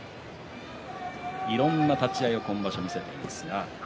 いろんな立ち合いを今場所見せています。